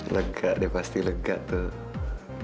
legak dia pasti lega tuh